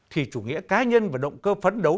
thì chủ nghĩa cá nhân và động cơ phấn đấu